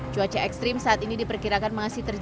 cuaca ekstrim saat ini diperkirakan masih terjadi